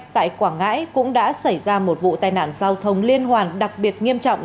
tại quảng ngãi cũng đã xảy ra một vụ tai nạn giao thông liên hoàn đặc biệt nghiêm trọng